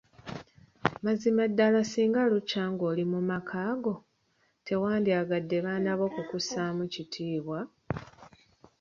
Mazima ddala singa lukya ng'oli mu maka go, teewandyagadde baana bo kukussaamu kitiibwa!